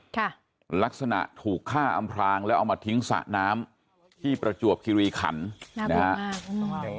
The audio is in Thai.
ค่ะลักษณะถูกฆ่าอำพรางแล้วเอามาทิ้งสระน้ำที่ประจวบคิริขันนะฮะ